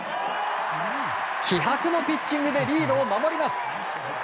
気迫のピッチングでリードを守ります。